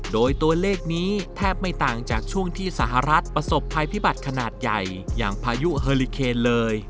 โดยตัวเลขนี้แทบไม่ต่างจากช่วงที่สหรัฐประสบภัยพิบัติขนาดใหญ่อย่างพายุเฮอลิเคนเลย